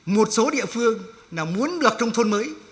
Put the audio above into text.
một số địa phương nào muốn được nông thôn mới